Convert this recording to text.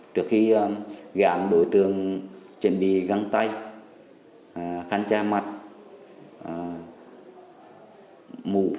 trước khi gãn đội thường chuẩn bị găng tay khăn che mặt mũ